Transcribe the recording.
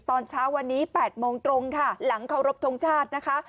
ตอนเช้าวันนี้๘โมงตรงค่ะหลังเคารพทงชาตินะคะ